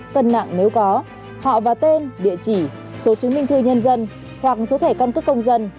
cân nặng nếu có họ và tên địa chỉ số chứng minh thư nhân dân hoặc số thẻ căn cước công dân